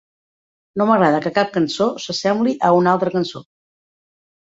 No m'agrada que cap cançó s'assembli a una altra cançó.